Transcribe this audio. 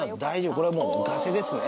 これはもうガセですね